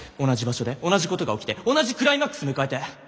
同じ場所で同じことが起きて同じクライマックス迎えて。